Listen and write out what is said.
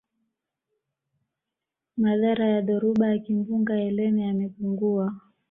madhara ya dhoruba ya kimbunga elene yamepungua